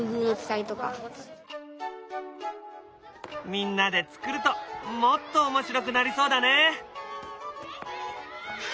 みんなで作るともっと面白くなりそうだね！